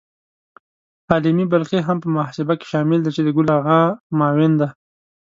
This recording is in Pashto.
عالمي بلخي هم په محاسبه کې شامل دی چې د ګل آغا معاون دی.